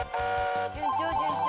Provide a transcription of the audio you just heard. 順調順調。